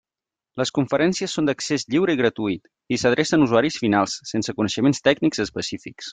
Les conferències són d'accés lliure i gratuït, i s'adrecen a usuaris finals sense coneixements tècnics específics.